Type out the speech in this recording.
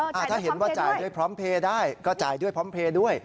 ถ้าเห็นว่าจ่ายด้วยพร้อมเพลย์ได้ก็จ่ายด้วยพร้อมเพลย์ด้วย